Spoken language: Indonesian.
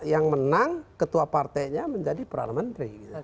yang menang ketua partainya menjadi peralamentri